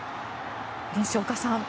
西岡さん